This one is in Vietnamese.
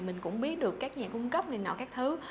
mình cũng biết được các nhà cung cấp này nọ các thứ